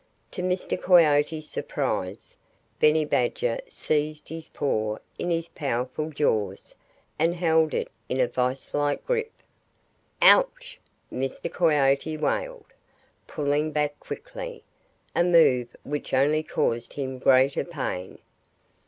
To Mr. Coyote's surprise, Benny Badger seized his paw in his powerful jaws and held it in a viselike grip. "Ouch!" Mr. Coyote wailed, pulling back quickly a move which only caused him greater pain.